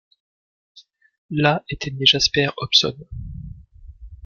Là était né Jasper Hobson.